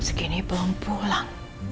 selalu nossas menggiduhan